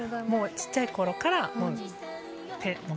ちっちゃいころから聴いてて。